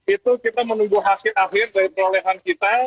itu kita menunggu hasil akhir dari perolehan kita